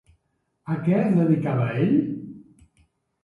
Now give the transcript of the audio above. A què es dedicava ell?